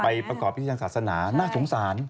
ไปประกอบพิจารณ์ศาสนาน่าสงสาร